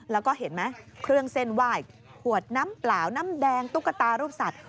แล้วก็เห็นไหมเครื่องเส้นไหว้ขวดน้ำเปล่าน้ำแดงตุ๊กตารูปสัตว